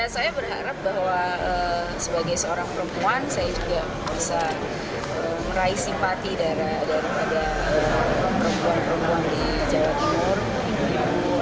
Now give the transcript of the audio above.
saya berharap bahwa sebagai seorang perempuan saya juga bisa meraih simpati daripada perempuan perempuan di jawa timur